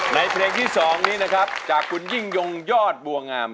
เพลงที่๒นี้นะครับจากคุณยิ่งยงยอดบัวงาม